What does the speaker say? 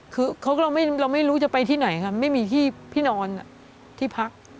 คือเราไม่รู้จะไปที่ไหนค่ะไม่มีที่นอนที่พัก